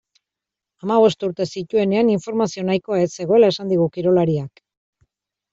Hamabost urte zituenean informazio nahikoa ez zegoela esan digu kirolariak.